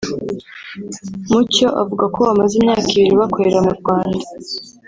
Mucyo avuga ko bamaze imyaka ibiri bakorera mu Rwanda